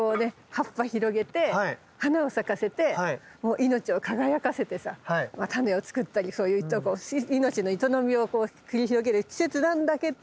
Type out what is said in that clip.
葉っぱ広げて花を咲かせてもう命を輝かせてさ種を作ったりそういう命の営みを繰り広げる季節なんだけど！